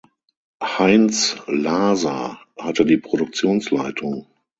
Heinz Laaser hatte die Produktionsleitung.